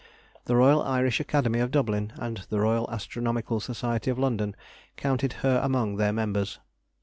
The Royal Irish Academy of Dublin, and the Royal Astronomical Society of London counted her among their Members.